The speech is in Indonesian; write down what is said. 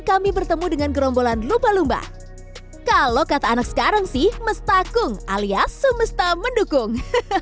kami bertemu dengan gerombolan lupa lumba kalau kata anak sekarang sih mestakung alias semesta mendukung